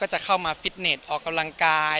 จะเข้ามาฟิตเน็ตออกกำลังกาย